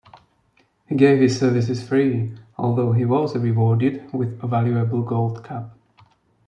He gave his services free, although he was rewarded with a valuable gold cup.